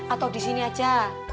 atau di sini aja